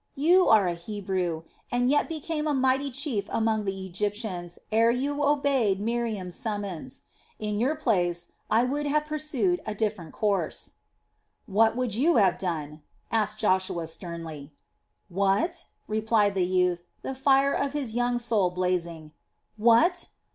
You were a Hebrew, and yet became a mighty chief among the Egyptians ere you obeyed Miriam's summons. In your place, I would have pursued a different course." "What would you have done?" asked Joshua sternly. "What?" replied the youth, the fire of his young soul blazing. "What?